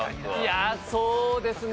いやそうですね。